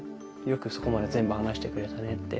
よくそこまで全部話してくれたねって。